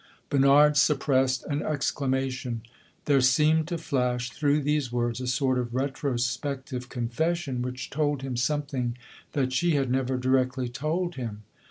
Bernard suppressed an exclamation. There seemed to flash through these words a sort of retrospective confession which told him something that she had never directly told him.